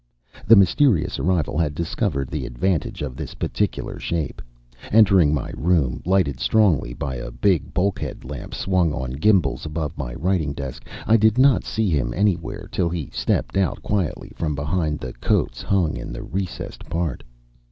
The mysterious arrival had discovered the advantage of this particular shape. Entering my room, lighted strongly by a big bulkhead lamp swung on gimbals above my writing desk, I did not see him anywhere till he stepped out quietly from behind the coats hung in the recessed part.